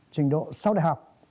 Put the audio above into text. trình độ sau đại học